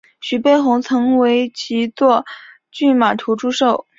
徐悲鸿曾为其作骏马图祝寿。